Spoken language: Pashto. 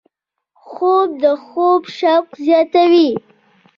خوب د خوب شوق زیاتوي